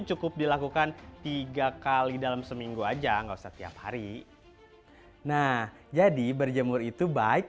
cukup dilakukan tiga kali dalam seminggu aja enggak usah tiap hari nah jadi berjemur itu baik